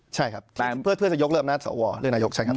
ใช่ครับเพื่อจะยกเริ่มนัดสวเรื่องนายกใช่ครับ